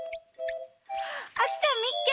あきちゃんみっけ！